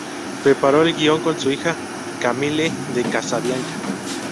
Preparó el guion con su hija Camille de Casabianca.